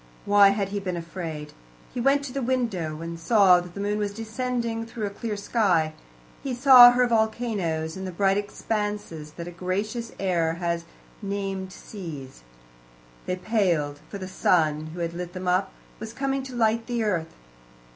Why had he been afraid? He went to the window, and saw that the moon was descending through a clear sky. He saw her volcanoes, and the bright expanses that a gracious error has named seas. They paled, for the sun, who had lit them up, was coming to light the earth.